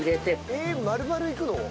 えっ丸々いくの？